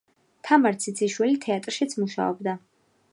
თამარ ციციშვილი თეატრშიც მუშაობდა.